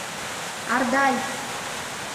— Ардай!